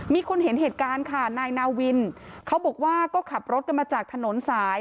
มีคนเห็นเหตุการณ์ค่ะนายนาวินเขาบอกว่าก็ขับรถกันมาจากถนนสาย